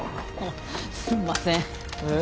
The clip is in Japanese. すんません。